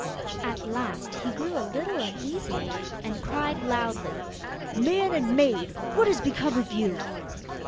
At last he grew a little uneasy, and cried loudly, 'Man and maid! what has become of you?